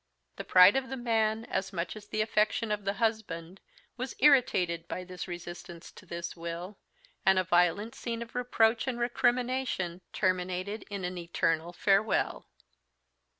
The pride of the man, as much as the affection of the husband, was irritated by this resistance to this will; and a violent scene of reproach and recrimination terminated in an eternal farewell.